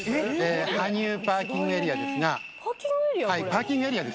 羽生パーキングエリアですがパーキングエリア？